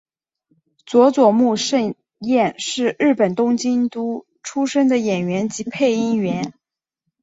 佐佐木胜彦是日本东京都出身的演员及配音员。